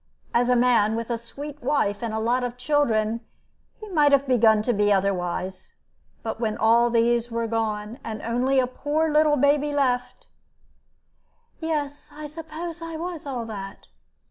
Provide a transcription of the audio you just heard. As a man, with a sweet wife and a lot of children, he might have begun to be otherwise. But when all those were gone, and only a poor little baby left " "Yes, I suppose I was all that."